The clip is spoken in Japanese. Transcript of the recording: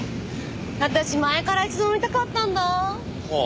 私前から一度乗りたかったんだあ。